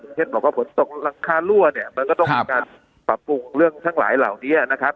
เช่นบอกว่าฝนตกหลังคารั่วเนี่ยมันก็ต้องมีการปรับปรุงเรื่องทั้งหลายเหล่านี้นะครับ